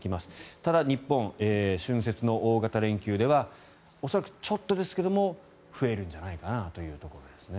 ただ、日本、春節の大型連休では恐らくちょっとですが増えるのではないかなという。